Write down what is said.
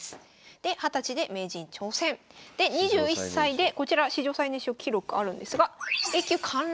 で２０歳で名人挑戦。で２１歳でこちら史上最年少記録あるんですがＡ級陥落。